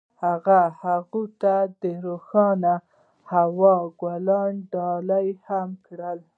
هغه هغې ته د روښانه هوا ګلان ډالۍ هم کړل.